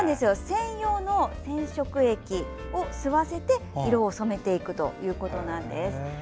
専用の染色液を吸わせて色を染めていくということです。